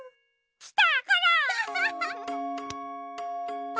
きた！